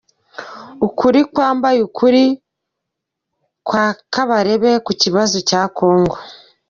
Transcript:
Ukuri kwambaye ukuri kwa Kabarebe ku kibazo cya kongo